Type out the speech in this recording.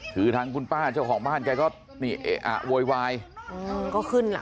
คือทางคุณป้าเจ้าของบ้านแกก็นี่เอ๊ะอ่ะโวยวายอืมก็ขึ้นล่ะ